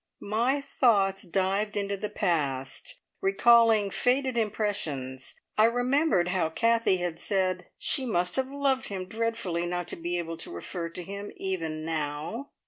My thoughts dived into the past, recalling faded impressions. I remembered how Kathie had said, "She must have loved him dreadfully not to be able to refer to him even now!"